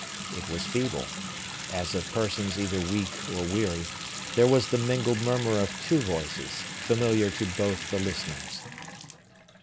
It was feeble, as of persons either weak or weary; there was the mingled murmur of two voices, familiar to both the listeners.